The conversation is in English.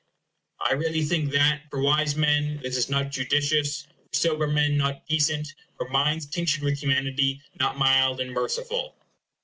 I really think that, for wise men, this is not judicious; for sober men, not decent; for minds tinctured with humanity, not mild and merciful.